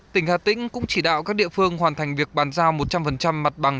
tỉnh hà tĩnh cũng chỉ đạo các địa phương hoàn thành việc bàn giao một trăm linh mặt bằng